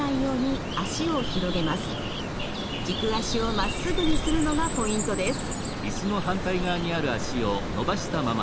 軸足をまっすぐにするのがポイントです。